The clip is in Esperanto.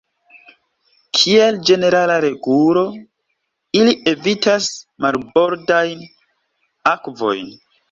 Kiel ĝenerala regulo, ili evitas marbordajn akvojn.